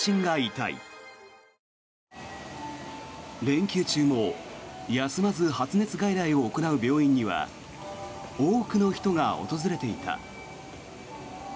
連休中も休まず発熱外来を行う病院には多くの人が訪れていた。